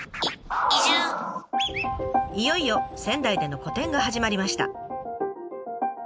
いよいよ仙台での個展が始まりました。